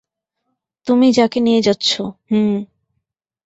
তুমি যাকে নিয়ে যাচ্ছ, - হুম।